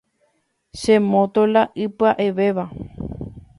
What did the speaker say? Che moto la ipya’evéva.